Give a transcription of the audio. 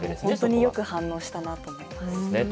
本当によく反応したなと思います。